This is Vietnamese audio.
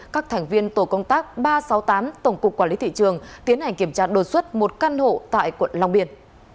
các thành viên tổ công tác ba trăm sáu mươi tám tổng cục quản lý thị trường tiến hành kiểm tra đột xuất một căn hộ tại quận long biên